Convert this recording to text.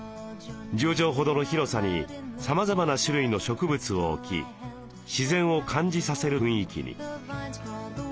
１０畳ほどの広さにさまざまな種類の植物を置き自然を感じさせる雰囲気に。